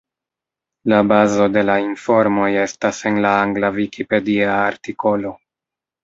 La bazo de la informoj estas en la angla vikipedia artikolo.